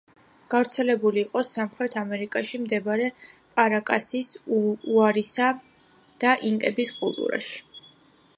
გავრცელებული იყო სამხრეთ ამერიკაში მდებარე პარაკასის, უარისა და ინკების კულტურაში.